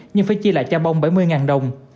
nhưng phải chia lại cho bông bảy mươi đồng